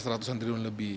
seratusan triliun lebih